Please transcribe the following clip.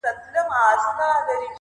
هر څوک خپله کيسه لري تل-